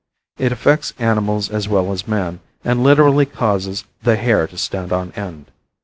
It affects animals as well as man, and literally causes "the hair to stand on end."